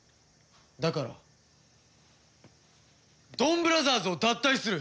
だからドンブラザーズを脱退する。